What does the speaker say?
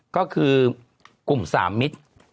ก็คือกลุ่ม๓มิตร